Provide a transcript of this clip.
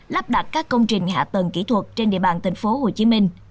lắp đặt các công trình hạ tầng kỹ thuật trên địa bàn tp hcm